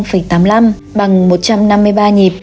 một trăm tám mươi x tám mươi năm bằng một trăm năm mươi ba nhịp